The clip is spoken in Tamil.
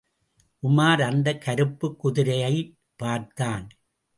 உமார் அந்தக் கருப்புக் குதிரையைப் பார்த்தான்.